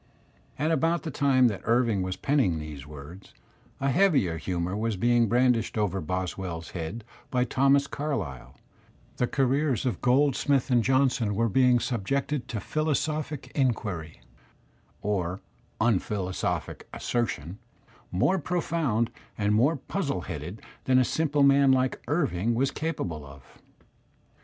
At about the time that Irving was penning these words, a heavier humour 'was being brandished over Boswell's head by Thomas Carlyle; the careers of Goldsmith and Johnson were being subjected to philosophic inquiry (or unphilo sophic assertion) more profound and more puzzle headed than a simple man like Irving was capable of.